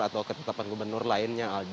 atau ketetapan gubernur lainnya